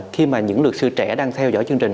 khi mà những luật sư trẻ đang theo dõi chương trình